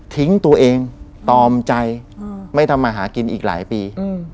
ทิ้งตัวเองตอมใจไม่ทำมาหากินอีกหลายปี